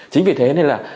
chính vì thế nên là